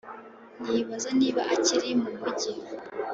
nibaza niba akiri mumujyi